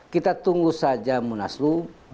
kita tunggu saja munaslub